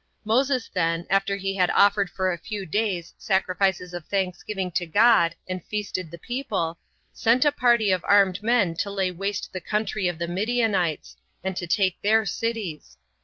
Moses then, after he had offered for a few days sacrifices of thanksgiving to God, and feasted the people, sent a party of armed men to lay waste the country of the Midianites, and to take their cities.